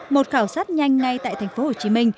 một khảo sát nhanh ngay tại tp hcm